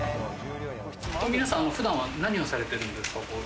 普段、皆さんは何をされてるんですか？